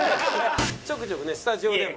ちょくちょくねスタジオでも。